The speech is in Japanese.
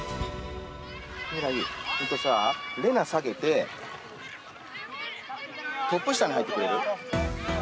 みらい、れな下げてトップ下に入ってくれる？